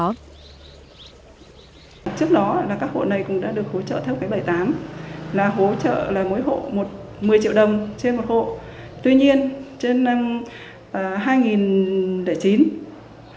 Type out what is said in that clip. trước đó các hộ này cũng đã được hỗ trợ theo cái bảy mươi tám là hỗ trợ là mỗi hộ một mươi triệu đồng trên một hộ